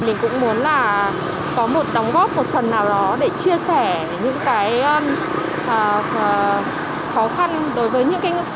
mình cũng muốn là có một đóng góp một phần nào đó để chia sẻ những cái khó khăn đối với những cái